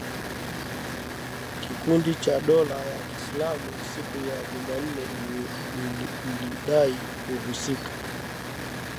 kikundi cha dola ya Kiislamu siku ya Jumanne lilidai kuhusika